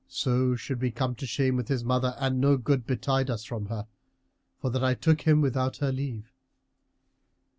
So should we come to shame with his mother and no good betide us from her, for that I took him without her leave."